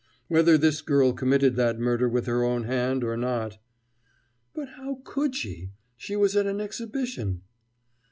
"Whether this girl committed that murder with her own hand or not " "But how could she? She was at an Exhibition